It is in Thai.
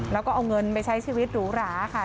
แล้วก็เอาเงินไปใช้ชีวิตหรูหราค่ะ